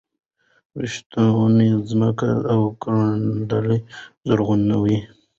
ورښتونه ځمکې او کروندې زرغونوي.